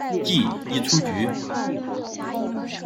记一出局。